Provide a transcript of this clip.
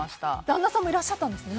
旦那さんもいらっしゃったんですね。